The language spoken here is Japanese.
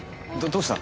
どうした？